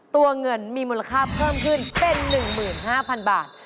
ตัวเงินมีมูลค่าเพิ่มขึ้นเป็น๑๕๐๐๐บาท